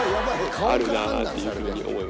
顔から判断されてる。